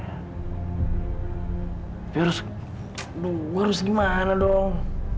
tapi harus aduh harus gimana dong